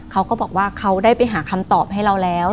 เขาก็บอกว่าเขาได้ไปหาคำตอบให้เราแล้ว